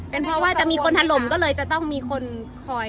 เป็นเพราะว่าจะมีคนถล่มก็เลยจะต้องมีคนคอย